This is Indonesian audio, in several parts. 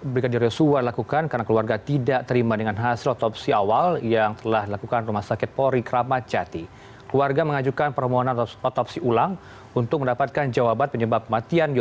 baik hasil dari hari ini otopsi ulang akan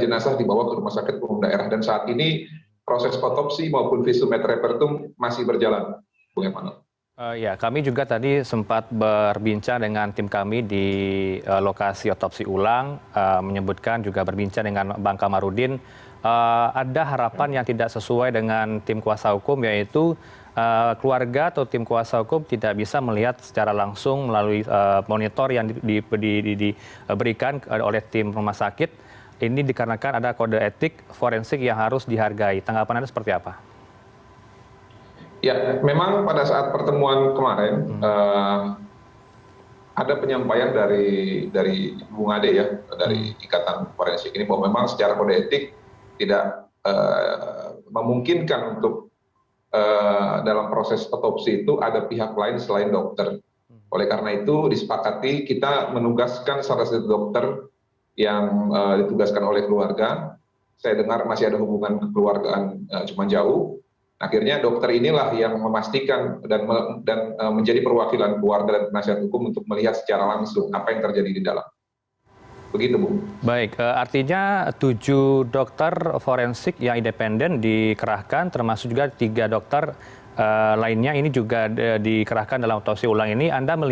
dibawa ke pengadilan dan tidak akan dipublikasi apa tanggapan dari keluarga atau tim kuasa hukum